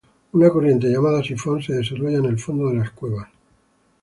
Una corriente llamada Sifón se desarrolla en el fondo de las cuevas.